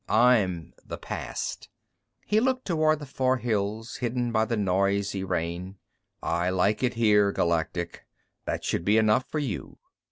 I'm the past." He looked toward the far hills, hidden by the noisy rain. "I like it here, Galactic. That should be enough for you."